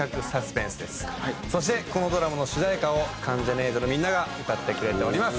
そしてこのドラマの主題歌を関ジャニ∞のみんなが歌ってくれております。